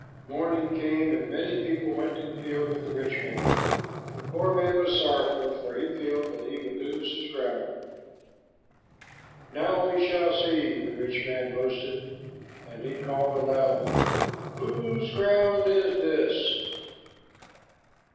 Morning came, and many people went to the field with the rich man. The poor man was sorrowful, for he feared that he would lose his ground. "Now we shall see," said the rich man boastfully, and he called aloud, "Whose ground is this?"